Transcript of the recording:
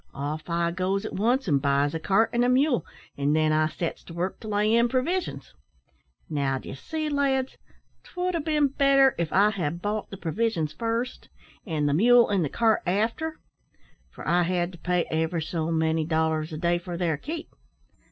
Off I goes at once an' buys a cart an' a mule, an' then I sets to work to lay in provisions. Now, d'ye see, lads, 'twould ha' bin better if I had bought the provisions first an' the mule and the cart after, for I had to pay ever so many dollars a day for their keep.